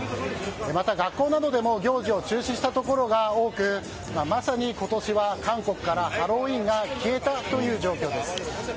また、学校などでも行事を中止した所が多くまさに今年は韓国からハロウィーンが消えたという状況です。